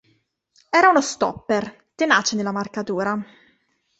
Era uno stopper, tenace nella marcatura.